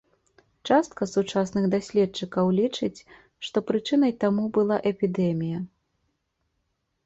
Частка сучасных даследчыкаў лічыць, што прычынай таму была эпідэмія.